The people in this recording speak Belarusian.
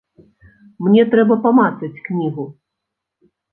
Мне трэба памацаць кнігу.